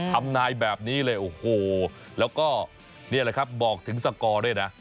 ทำนายแบบนี้เลยโอ้โหแล้วก็นี่แหละครับบอกถึงสกอร์ด้วยนะ